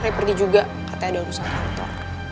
saya pergi juga katanya ada urusan kantor